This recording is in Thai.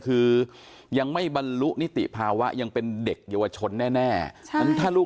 คือยังไม่บรรลุนิติภาวะยังเป็นเด็กเยาวชนแน่ถ้าลูก